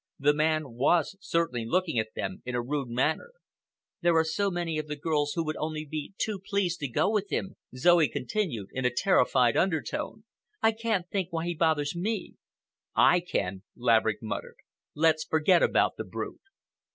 The man was certainly looking at them in a rude manner. "There are so many of the girls who would only be too pleased to go with him," Zoe continued, in a terrified undertone. "I can't think why he bothers me." "I can," Laverick muttered. "Let's forget about the brute."